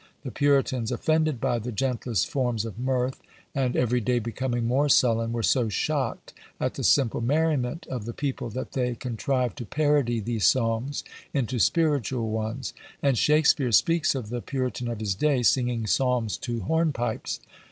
The Puritans, offended by the gentlest forms of mirth, and every day becoming more sullen, were so shocked at the simple merriment of the people, that they contrived to parody these songs into spiritual ones; and Shakspeare speaks of the Puritan of his day "singing psalms to hornpipes."